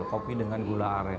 kopi dengan gula aren